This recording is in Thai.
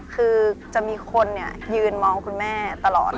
คือจะมีคนยืนมองคุณแม่ตลอด